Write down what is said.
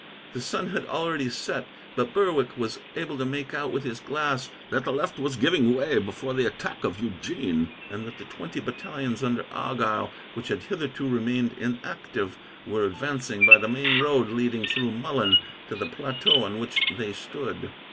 The sun had already set, but Berwick was able to make out, with his glass, that the left was giving way before the attack of Eugene, and that the twenty battalions under Argyle, which had hitherto remained inactive, were advancing by the main road leading, through Mullen, to the plateau on which they stood.